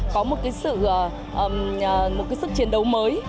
có một sự chiến đấu mới